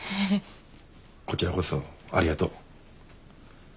こちらこそありがとう。